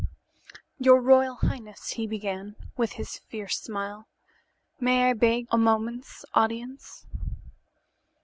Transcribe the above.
"Your royal highness," he began, with his fierce smile, "may I beg a moment's audience?"